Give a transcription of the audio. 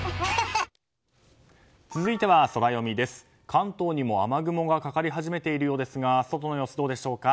関東にも雨雲がかかり始めているようですが外の様子どうでしょうか。